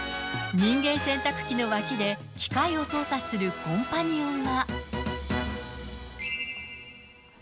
人間洗濯機の脇で機械を操作するコンパニオンは。